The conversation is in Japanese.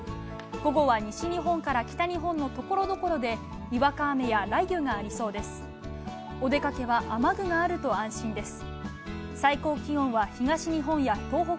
午後は西日本から北日本のところどころでにわか雨や雷雨がありそうです。